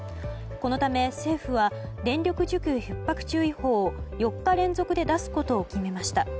このため、政府は電力需給ひっ迫注意報を４日連続で出すことを決めました。